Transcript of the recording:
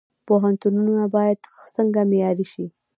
پوهنتونونه باید څنګه معیاري شي؟